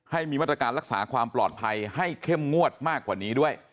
ให้มีมาตรการรักษาความปลอดภัยให้เข้มงวดมากกว่านี้ด้วย